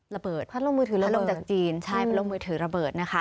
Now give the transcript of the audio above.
ระเบิดพัดลมมือถือระเบิดพัดลมจากจีนใช่พัดลมมือถือระเบิดนะคะ